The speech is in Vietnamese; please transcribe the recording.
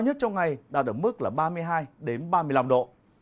nhiệt độ này đạt ở mức ba mươi hai ba mươi năm độ